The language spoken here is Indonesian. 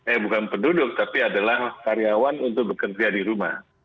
eh bukan penduduk tapi adalah karyawan untuk bekerja di rumah